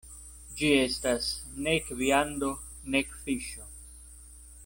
Ĝi estas nek viando, nek fiŝo.